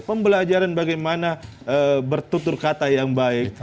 pembelajaran bagaimana bertutur kata yang baik